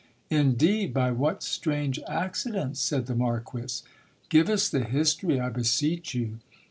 Indeed ! by what strange accident ? said the Marquis. Give us the history, I beseech you.